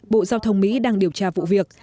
bộ giao thông mỹ đang điều tra vụ việc